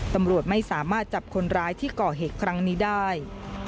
ตำรวจไม่สามารถจับคนร้ายที่ก่อเหตุครั้งนี้ได้